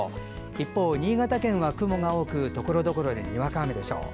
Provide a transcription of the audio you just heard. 一方、新潟県は雲が多くところどころでにわか雨でしょう。